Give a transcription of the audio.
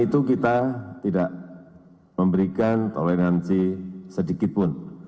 setelah itu kita tidak memberikan toleransi sejajarnya kepada masyarakat lain dan juga kepada masyarakat lain